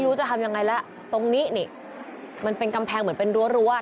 จะทำยังไงแล้วตรงนี้นี่มันเป็นกำแพงเหมือนเป็นรั้ว